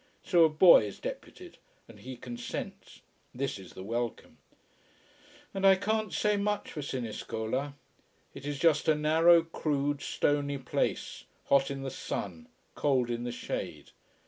So a boy is deputed and he consents. This is the welcome. And I can't say much for Siniscola. It is just a narrow, crude, stony place, hot in the sun, cold in the shade.